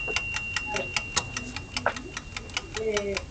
守りに入った